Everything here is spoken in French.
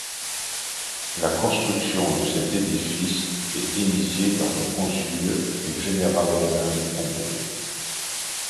La construction de cet édifice est initiée par le consul et général romain Pompée.